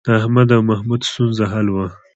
د احمد او محمود ستونزه حل وه.